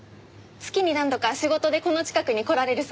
月に何度か仕事でこの近くに来られるそうで。